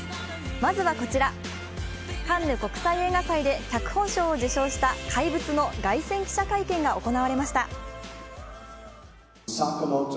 まずはこちら、カンヌ国際映画祭で脚本賞を受賞した「怪物」の凱旋記者会見が行われました。